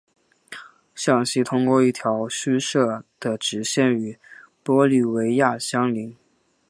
向西通过一条虚设的直线与玻利维亚相邻。